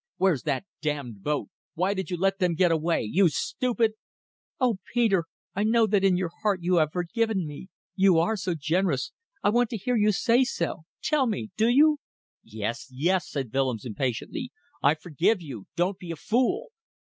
"Where's that damned boat? Why did you let them go away? You stupid!" "Oh, Peter! I know that in your heart you have forgiven me You are so generous I want to hear you say so. ... Tell me do you?" "Yes! yes!" said Willems, impatiently. "I forgive you. Don't be a fool."